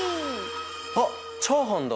あっチャーハンだ！